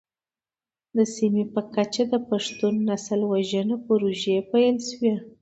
د سیمې په کچه د پښتون نسل وژنه پروژې پيل شوې.